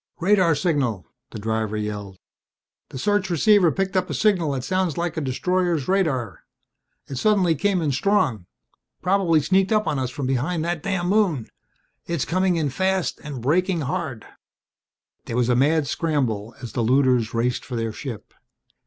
"Radar signal!" the driver yelled. "The search receiver picked up a signal that sounds like a destroyer's radar. It suddenly came in strong. Probably sneaked up on us from behind that damn moon. It's coming in fast and braking hard!" There was a mad scramble as the looters raced for their ship.